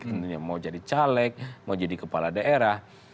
tentunya mau jadi caleg mau jadi kepala daerah